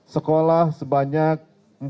sekolah sebanyak empat ratus dua puluh satu